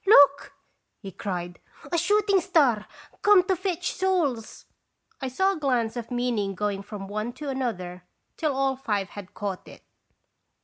"Look!" he cried. "A shooting star ! Come to fetch souls!" I saw a glance of meaning going from one to another till all five had caught it.